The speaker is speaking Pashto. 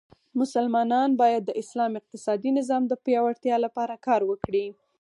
مسلمانان باید د اسلام اقتصادې نظام د پیاوړتیا لپاره کار وکړي.